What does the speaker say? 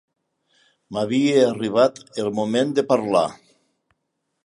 M'havia arribat el moment de parlar.